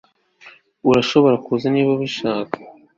urashobora kuza niba ubishaka